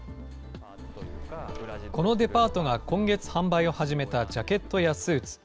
このデパートが今月販売を始めたジャケットやスーツ。